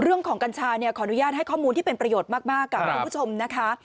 เรื่องของกัญชาขออนุญาตให้ข้อมูลที่เป็นประโยชน์มากกับคุณผู้ชมนะคะ